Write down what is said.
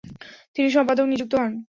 তিনি সম্পাদক নিযুক্ত হন।